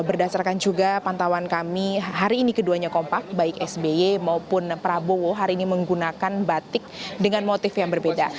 berdasarkan juga pantauan kami hari ini keduanya kompak baik sby maupun prabowo hari ini menggunakan batik dengan motif yang berbeda